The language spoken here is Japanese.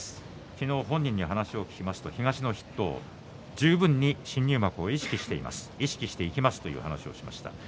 昨日、本人に話を聞きますと東の筆頭十分に新入幕を意識しています意識していきますという話をしました。